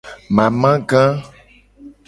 Mamaga.